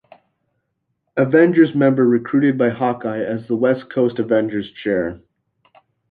Avengers members recruited by Hawkeye as the West Coast Avengers chair.